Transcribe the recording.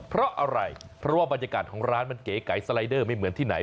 เพราะอะไรเพราะว่าบรรยากาศของร้านมันเก๋ไก่สไลเดอร์ไม่เหมือนที่ไหน